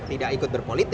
tidak ikut berpolitik